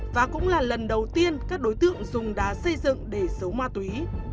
và cũng là lần đầu tiên các đối tượng dùng đá xây dựng để giấu ma túy